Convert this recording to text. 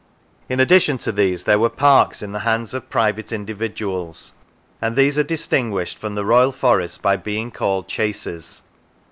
In addition to these there were parks in the hands of private indi viduals, and these are distinguished from the Royal forests by being called chases.